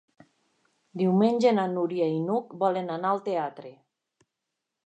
Diumenge na Núria i n'Hug volen anar al teatre.